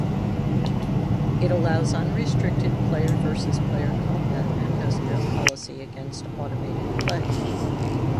It allows unrestricted player-vs-player combat and has no policy against automated play.